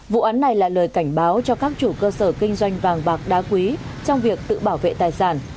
vụ án này là lời cảnh báo cho các chủ cơ sở kinh doanh vàng bạc đá quý trong việc tự bảo vệ tài sản